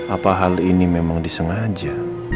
apa hal ini memang disengaja